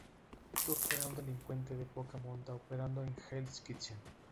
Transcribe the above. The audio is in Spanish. Turk era un delincuente de poca monta operando en Hell's Kitchen.